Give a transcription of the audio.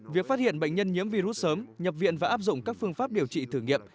việc phát hiện bệnh nhân nhiễm virus sớm nhập viện và áp dụng các phương pháp điều trị thử nghiệm